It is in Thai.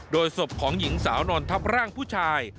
โดยศพของหญิงสาวนอนทับร่างผู้ชาย